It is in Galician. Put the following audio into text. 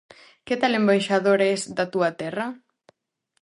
Que tal embaixador es da túa terra?